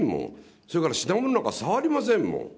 それから品物なんか触りませんもん。